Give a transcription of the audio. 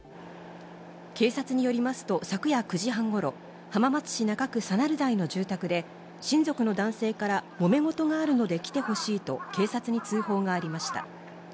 警察によりますと昨夜９時半頃、浜松市中区佐鳴台の住宅で親族の男性からもめ事があるので来てほしいと警察に通報がありました。